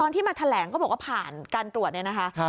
ที่มาแถลงก็บอกว่าผ่านการตรวจเนี่ยนะคะ